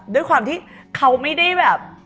ด้วยความที่เขาไม่ได้แบบ